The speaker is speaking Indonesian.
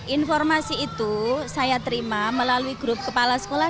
informasi itu saya terima melalui grup kepala sekolah